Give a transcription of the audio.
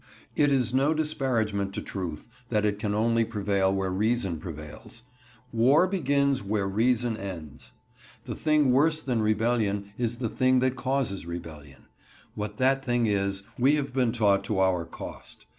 It is no disparagement to truth, that it can only prevail where reason prevails. War begins where reason ends. The thing worse than rebellion is the thing that causes rebellion. What that thing is, we have been taught to our cost.